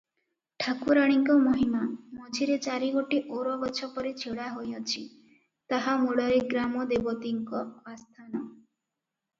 ଠାକୁରାଣୀଙ୍କ ମହିମା! ମଝିରେ ଚାରିଗୋଟି ଓର ଗଛପରି ଛିଡ଼ାହୋଇଅଛି, ତାହା ମୂଳରେ ଗ୍ରାମ ଦେବତୀଙ୍କ ଆସ୍ଥାନ ।